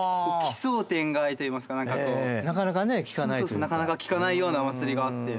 そうですなかなか聞かないようなお祭りがあって。